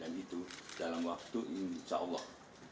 dan itu dalam waktu insya allah